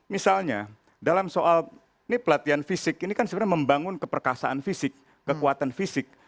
misalnya dalam soal ini pelatihan fisik ini kan sebenarnya membangun keperkasaan fisik kekuatan fisik